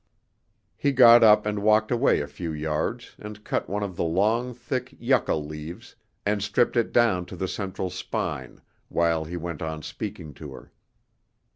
He got up and walked away a few yards, and cut one of the long thick yucca leaves, and stripped it down to the central spine, while he went on speaking to her.